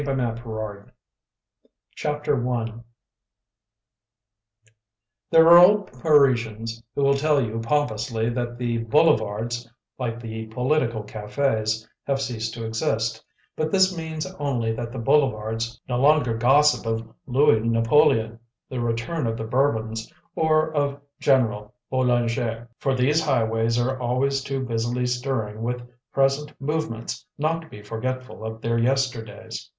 she cried CHAPTER I There are old Parisians who will tell you pompously that the boulevards, like the political cafes, have ceased to exist, but this means only that the boulevards no longer gossip of Louis Napoleon, the Return of the Bourbons, or of General Boulanger, for these highways are always too busily stirring with present movements not to be forgetful of their yesterdays.